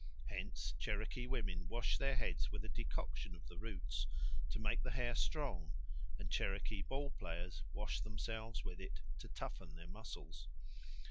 Hence Cherokee women wash their heads with a decoction of the roots to make the hair strong, and Cherokee ball players wash themselves with it to toughen their muscles.